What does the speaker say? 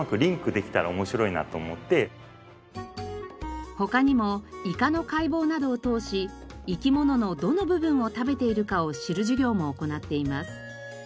学校の他にもイカの解剖などを通し生き物のどの部分を食べているかを知る授業も行っています。